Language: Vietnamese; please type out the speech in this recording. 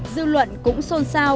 dư luận cũng xôn xao